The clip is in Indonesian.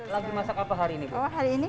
lagi masak apa hari ini